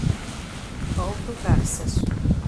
Alto Garças